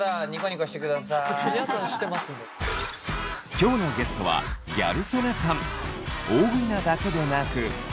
今日のゲストは大食いなだけでなく。